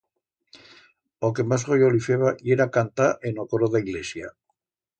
O que mas goyo li feba yera cantar en o coro d'a ilesia.